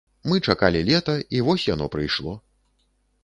Мы чакалі лета і вось яно прыйшло.